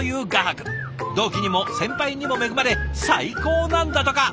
同期にも先輩にも恵まれ最高なんだとか。